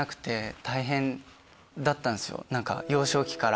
幼少期から。